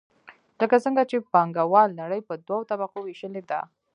لکه څنګه چې پانګواله نړۍ په دوو طبقو ویشلې ده.